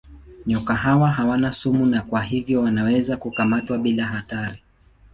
Nyoka hawa hawana sumu na kwa hivyo wanaweza kukamatwa bila hatari.